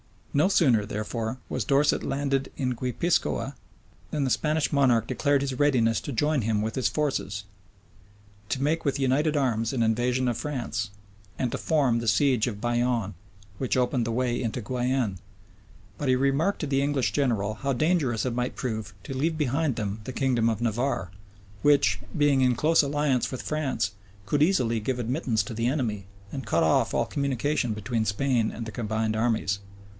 No sooner, therefore, was Dorset landed in Guipiscoa, than the Spanish monarch declared his readiness to join him with his forces, to make with united arms an invasion of France, and to form the siege of Bayonne, which opened the way into Guienne:[*] but he remarked to the English general how dangerous it might prove to leave behind them the kingdom of Navarre, which, being in close alliance with France, could easily give admittance to the enemy, and cut off all communication between Spain and the combined armies.